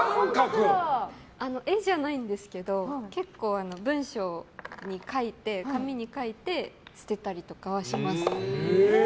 絵じゃないんですけど結構、文章に書いて紙に書いて、捨てたりとかします。